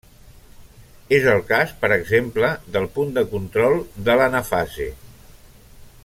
És el cas per exemple del punt de control de l'anafase.